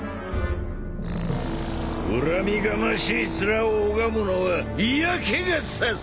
恨みがましい面を拝むのは嫌気が差す！